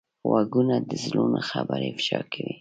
غوږونه د زړونو خبرې افشا کوي